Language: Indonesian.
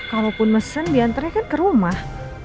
kalaupun mesen diantarnya kan ke rumah